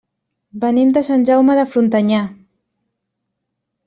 Venim de Sant Jaume de Frontanyà.